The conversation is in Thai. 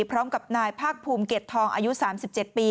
พร้อมกับนายภาคภูมิเกร็ดทองอายุ๓๗ปี